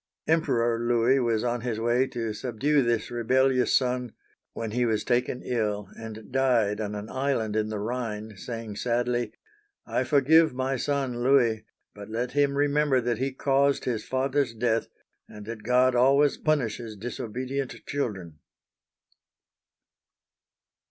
Emperor Louis was on his way to subdue this rebellious son, when he was taken ill and died on an island in the Rhine, saying sadly, " I forgive my son, Louis, but let him remember that he caused his father's death, and that God always punishes disobedient children